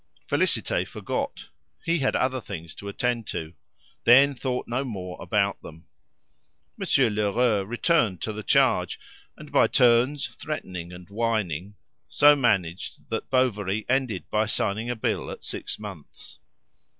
Félicité forgot; he had other things to attend to; then thought no more about them. Monsieur Lheureux returned to the charge, and, by turns threatening and whining, so managed that Bovary ended by signing a bill at six months.